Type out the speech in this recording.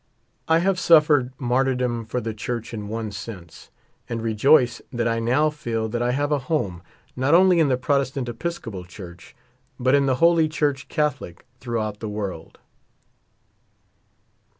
I have suf fered martyrdom for the church in one sense ; and re joice that I now feel that I have a home not only in the Protestant Episcopal Church, but in the Holy Church Catholic throughout the world.